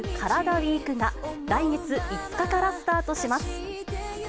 ＷＥＥＫが、来月５日からスタートします。